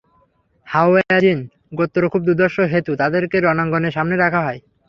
হাওয়াযিন গোত্র খুব দুর্ধর্ষ হেতু তাদেরকে রণাঙ্গনে সামনে রাখা হয়।